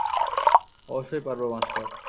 অবশ্যই পারব, মাস্টার।